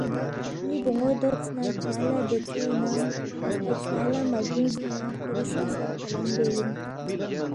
ن٘ی بون٘و دودس نہ کھیانگ لہ دیژے انعام، تا کھیانگ لہ مہ بیُونگس نہ کِھری سہ سر قلم بے اِن